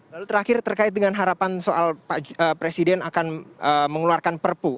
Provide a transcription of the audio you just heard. lalu terakhir terkait dengan harapan soal presiden akan mengeluarkan perpu